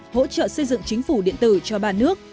hỗ trợ xây dựng chính phủ điện tử cho ba nước